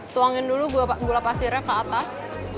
tuangin dulu gula pasirnya ke atas